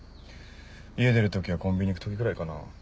家出る時はコンビニ行く時ぐらいかな。